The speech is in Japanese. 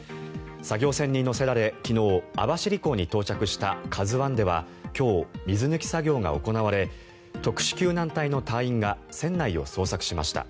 作業船に載せられ昨日、網走港に到着した「ＫＡＺＵ１」では今日、水抜き作業が行われ特殊救難隊の隊員が船内を捜索しました。